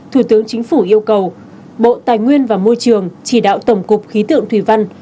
thủ tướng chính phủ yêu cầu bộ tài nguyên và môi trường chỉ đạo tổng cục khí tượng thủy văn